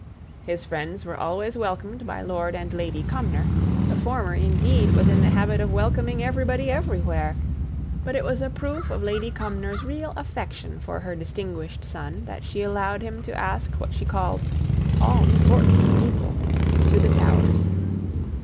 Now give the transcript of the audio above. His friends were always welcomed by Lord and Lady Cumnor; the former, indeed, was in the habit of welcoming everybody everywhere; but it was a proof of Lady Cumnor's real affection for her distinguished son, that she allowed him to ask what she called "all sorts of people" to the Towers.